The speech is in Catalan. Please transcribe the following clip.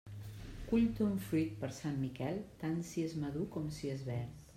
Cull ton fruit per Sant Miquel, tant si és madur com si és verd.